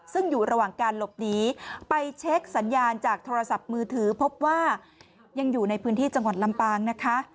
ซึ่งอยู่ระหว่างการหลบหนีไปเช็คสัญญาณจากโทรศัพท์มือถือพบว่ายังอยู่ในพื้นที่จังหวัดลำปางนะคะ